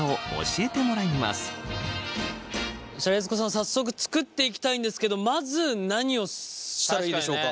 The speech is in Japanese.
早速作っていきたいんですけどまず何をしたらいいでしょうか？